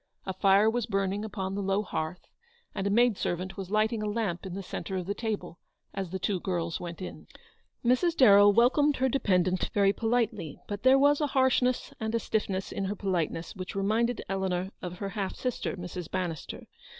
A fire was burning upon the low hearth, and a maid servant was lighting a lamp in the centre of the table as the two girls went in. Mrs. Darrell welcomed her dependant very politely j but there was a harshness and a stiffness in her politeness which reminded Eleanor of her half sister, Mrs. Bannister.